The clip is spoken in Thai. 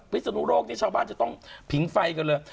ศนุโลกนี่ชาวบ้านจะต้องผิงไฟกันเลย